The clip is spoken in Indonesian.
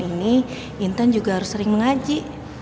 ini inten juga harus sering mengaji